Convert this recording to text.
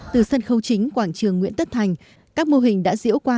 từ sân khấu chính quảng trường nguyễn tất thành các mô hình đã diễu qua